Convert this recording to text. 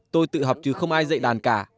tôi tự học chứ không ai dạy đàn cả